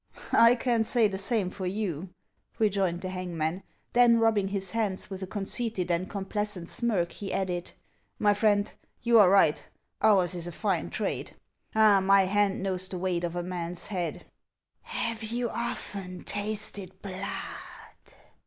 " I can't say the same for you," rejoined the hangman ; then rubbing his hands with a conceited and complacent smirk, he added :" My friend, you are right ; ours is a fine trade. Ah ' my hand knows the weight of a man's head." " Have you often tasted blood